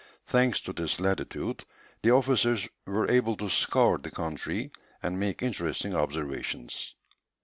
Thanks to this latitude, the officers were able to scour the country and make interesting observations.